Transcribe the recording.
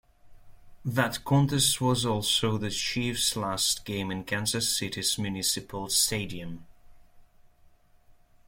That contest was also the Chiefs' last game in Kansas City's Municipal Stadium.